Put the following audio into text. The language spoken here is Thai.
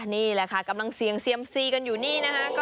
นี่แหละค่ะกำลังเสี่ยงเซียมซีกันอยู่นี่นะคะ